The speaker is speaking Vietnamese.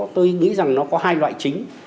tôi nghĩ rằng nó có hai loại chính